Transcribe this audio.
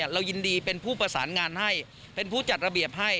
เรายินดีเป็นผู้ประสานงานให้เป็นผู้จัดระเบียบให้